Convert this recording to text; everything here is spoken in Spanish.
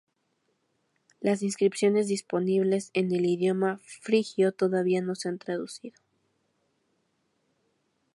Las inscripciones disponibles en el idioma frigio todavía no se han traducido.